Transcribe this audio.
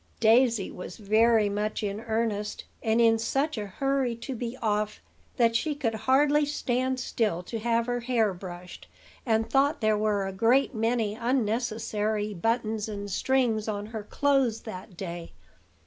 Daisy was very much in earnest, and in such a hurry to be off that she could hardly stand still to have her hair brushed, and thought there were a great many unnecessary buttons and strings on her clothes that day.